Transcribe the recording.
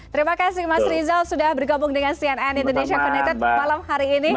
terima kasih mas rizal sudah bergabung dengan cnn indonesia connected malam hari ini